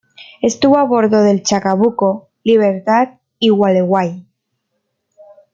Estuvo a bordo del "Chacabuco", "Libertad" y "Gualeguay".